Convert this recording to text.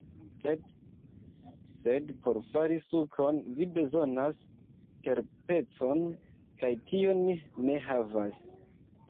Sed... sed por fari sukon vi bezonas terpecon kaj tion ni ne havas